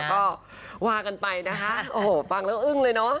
ก็ว่ากันไปนะคะโอ้โหฟังแล้วอึ้งเลยเนอะ